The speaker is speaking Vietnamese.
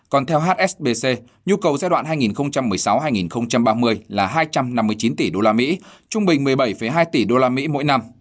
còn theo hsbc nhu cầu giai đoạn hai nghìn một mươi sáu hai nghìn ba mươi là hai trăm năm mươi chín tỷ đô la mỹ trung bình một mươi bảy hai tỷ đô la mỹ mỗi năm